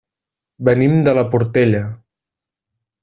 Venim de la Portella.